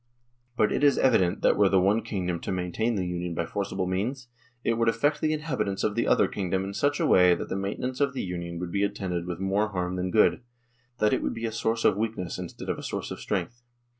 " But it is evident that were the one kingdom to maintain the Union by forcible means, it would affect the inhabitants of the other kingdom in such a way that the maintenance of the Union would be attended with more harm than good, that it would be a source of weakness instead of a source of strength.